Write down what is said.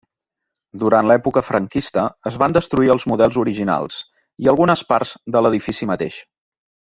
Durant l'època franquista es van destruir els models originals i algunes parts de l'edifici mateix.